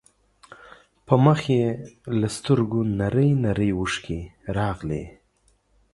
په مخ يې له سترګو نرۍ نرۍ اوښکې راغلې.